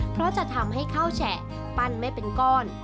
เพราะจะทำให้ข้าวแฉะปั้นไม่เป็นก้อน